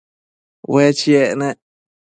Ue chiec nec